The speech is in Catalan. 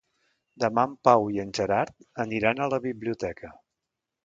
Demà en Pau i en Gerard aniran a la biblioteca.